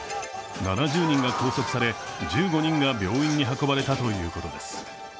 ７０人が拘束され、１５人が病院に運ばれたということです。